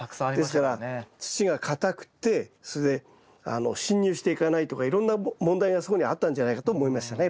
ですから土がかたくてそれで進入していかないとかいろんな問題がそこにあったんじゃないかと思いましたね